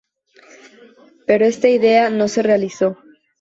Pero esta idea no se realizó.